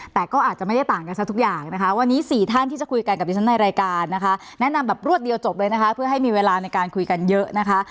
แต่ก็อาจจะไม่ได้ต่างกันสักทุกอย่างนะคะวันนี้๔ท่านที่จะคุยกันกับดิฉันในรายการนะคะแนะนำแบบรวดเดียวจบเลยนะคะเพื่อให้มีเวลาในการคุยกันเยอะนะคะ